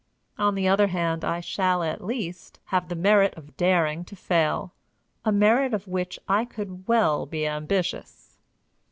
On the other hand, I shall, at least, have the merit of daring to fail a merit of which I could well be ambitious.